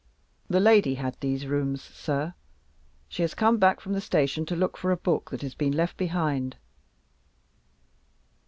"The lady had these rooms, sir. She has come back from the station to look for a book that has been left behind."